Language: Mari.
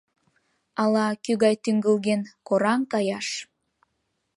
Ала, кӱ гай тӱҥгылген, кораҥ каяш.